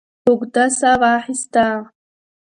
اوږده ساه واخسته.